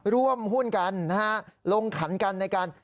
ร่วมหุ้นกันนะฮะลงขันกันในการ